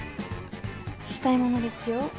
したいものですよ。